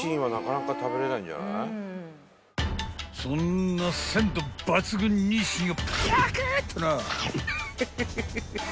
［そんな鮮度抜群にしんをパクッとな］